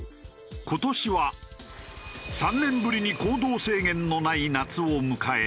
今年は３年ぶりに行動制限のない夏を迎えた。